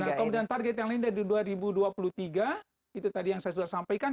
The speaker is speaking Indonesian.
nah kemudian target yang lain dari dua ribu dua puluh tiga itu tadi yang saya sudah sampaikan